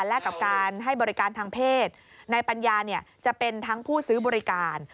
และกับการให้บริการทางเพศนายปัญญาจะเป็นทั้งผู้ซื้อบริการ